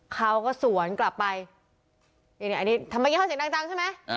เขาก็สวนกลับไปทำไมกินข้าวเสียงดังใช่ไหม